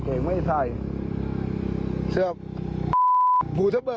มันหนาวเหรอ